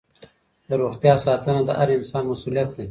د روغتیا ساتنه د هر انسان مسؤلیت دی.